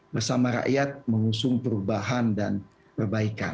bersama rakyat mengusung perubahan dan perbaikan